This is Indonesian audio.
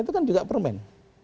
itu kan juga permen